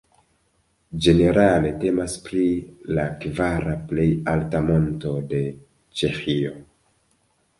Ĝenerale temas pri la kvara plej alta monto de Ĉeĥio.